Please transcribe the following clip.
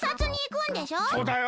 そうだよ。